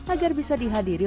agar bisa dihadiri